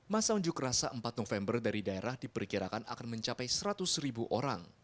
masa unjuk rasa empat november dari daerah diperkirakan akan mencapai seratus ribu orang